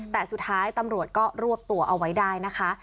แต่สุดท้ายตำรวจก็รวบตัวเอาไว้ได้นะคะ